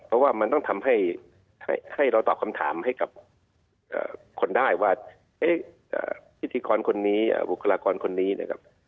เพราะว่ามันต้องทำให้เราตอบคำถามให้กับคนได้ว่าพิธีกรคนนี้บุคลากรคนนี้นะครับ